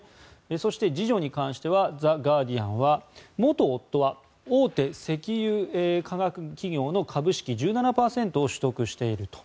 そして、次女に関してはザ・ガーディアンは元夫は大手石油化学企業の株式１７％を取得していると。